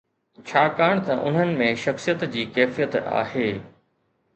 ڇاڪاڻ ته انهن ۾ شخصيت جي ڪيفيت آهي.